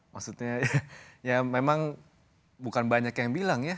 maksudnya ya memang bukan banyak yang bilang ya